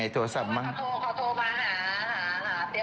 เจ้าบ่านโทรมาหาเตรียมวันที่เท่าไหร่วันที่